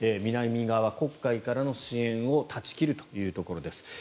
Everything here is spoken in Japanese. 南側、黒海からの支援を断ち切るというところです。